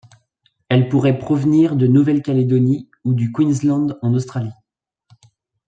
Elle pourrait provenir de Nouvelle-Calédonie ou du Queensland en Australie.